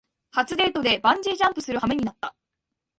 初デートでバンジージャンプするはめになった